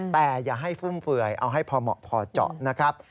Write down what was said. แต่อย่าให้ฟุ่มเฟื่อยเอาให้พอเหมาะพอเจาะนะครับ